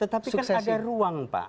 tetapi kan ada ruang pak